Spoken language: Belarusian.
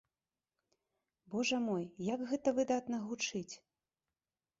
Божа мой, як гэта выдатна гучыць!